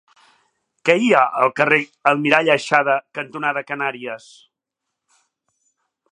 Què hi ha al carrer Almirall Aixada cantonada Canàries?